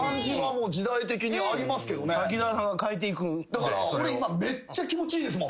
だから俺今めっちゃ気持ちいいですもん。